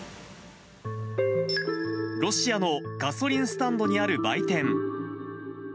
ロシアのガソリンスタンドにある売店。